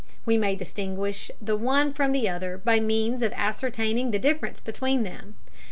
We may distinguish the one from the other by means of ascertaining the difference between them.